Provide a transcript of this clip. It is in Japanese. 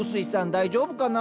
大丈夫かな？